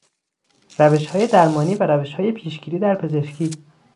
روشهای درمانی و روشهای پیشگیری در پزشکی